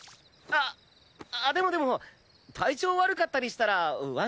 ああでもでも体調悪かったりしたらワンチャン。